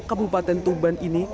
kabupaten tuban ini